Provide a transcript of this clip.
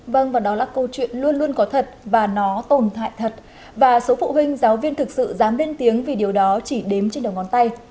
vâng và đó là câu chuyện luôn luôn có thật và nó tồn tại thật và số phụ huynh giáo viên thực sự dám lên tiếng vì điều đó chỉ đếm trên đầu ngón tay